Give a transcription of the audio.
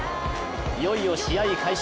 いよいよ試合開始。